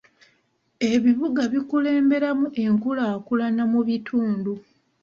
Ebibuga bikulemberamu enkulaakulana mu bitundu.